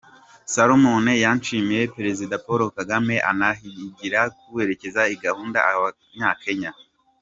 Salome yashimiye Perezida Paul Kagame anahigira kuzereka igihandure abanya Kenya.